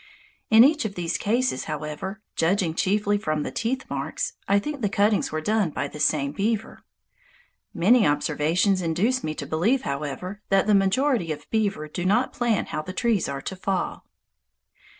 In each of these cases, however, judging chiefly from the teeth marks, I think the cuttings were done by the same beaver. Many observations induce me to believe, however, that the majority of beaver do not plan how the trees are to fall.